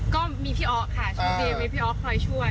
ก็มีพี่อ๊อกค่ะช่วยเตรียมมีพี่อ๊อกคอยช่วย